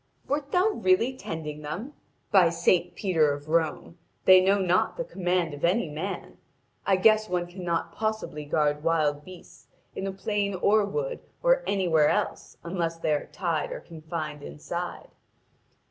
'Wert thou really tending them? By Saint Peter of Rome! They know not the command of any man. I guess one cannot possibly guard wild beasts in a plain or wood or anywhere else unless they are tied or confined inside.'